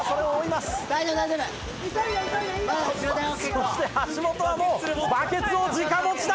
そして橋本はもうバケツを直持ちだ！